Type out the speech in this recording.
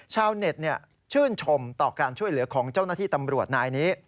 ชาวเน็ตชื่นชมต่อการช่วยเหลือของเจ้าหน้าที่ตำรวจนายนี้